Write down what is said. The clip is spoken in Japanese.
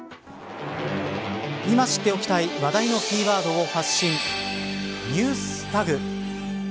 今知っておきたい話題のキーワードを発信ＮｅｗｓＴａｇ。